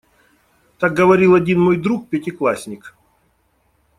Так говорил один мой друг-пятиклассник.